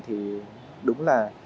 thì đúng là